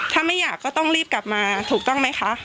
ถ้าไม่อยากก็ต้องรีบกลับมาถูกต้องไหมคะ